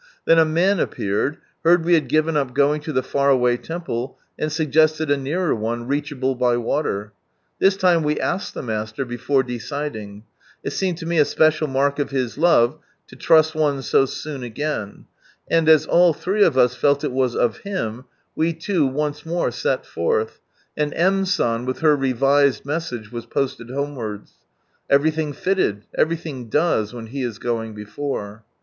Then a man appeared, heard we had given up going to the far away temple, and suggested a nearer one, reachable by water. This lime we asked the Master, before deciding— it seemed to me a special mark of His love to trust one 128 From Sunrise Land —and as all three of u felti % of Him, I forth, and M. San, with her revised message, was posted homewards. Everylhing fitted, everything does, when He is going before.